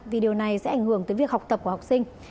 vì điều này sẽ ảnh hưởng tới việc học tập của học sinh